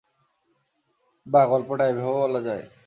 বাহ, গল্পটা এভাবেও বলা যায়।